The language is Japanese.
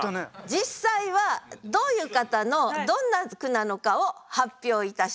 実際はどういう方のどんな句なのかを発表いたしましょう。